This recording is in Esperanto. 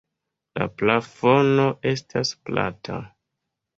La plafono estas plata.